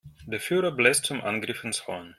Der Führer bläst zum Angriff ins Horn.